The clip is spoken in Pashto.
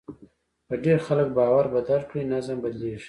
که ډېر خلک باور بدل کړي، نظم بدلېږي.